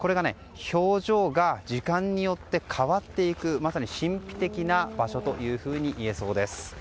表情が時間によって変わっていくまさに神秘的な場所といえそうです。